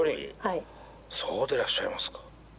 そうでらっしゃいますか。